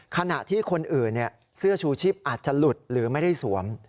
ขณะที่คนอื่นเสื้อชูชีพอาจจะหลุดหรือไม่ได้สวม